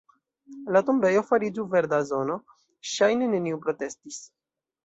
La tombejo fariĝu verda zono; ŝajne neniu protestis.